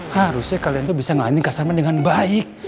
harusnya kalian tuh bisa ngelanjin kak sarman dengan baik